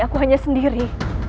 aku hanya sendiri